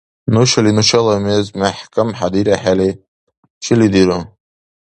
Нушани нушала мез мяхӀкамхӀедирахӀелли, чили диру?